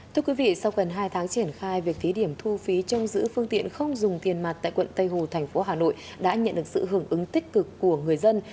thưa quý vị sau gần hai tháng triển khai việc thí điểm thu phí trong giữ phương tiện không dùng tiền mặt tại quận tây hồ thành phố hà nội đã nhận được sự hưởng ứng tích cực của người dân